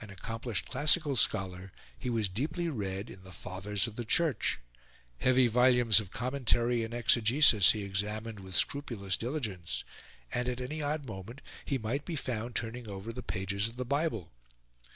An accomplished classical scholar, he was deeply read in the Fathers of the Church; heavy volumes of commentary and exegesis he examined with scrupulous diligence; and at any odd moment he might be found turning over the pages of the Bible.